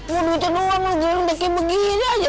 mau duitnya doang mau gilir gilir kayak begini aja